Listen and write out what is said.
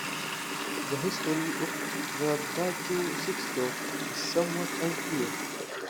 The history of the bajo sexto is somewhat unclear.